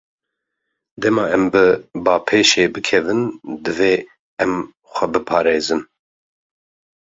Dema em bi bapêşê bikevin, divê em xwe biparêzin.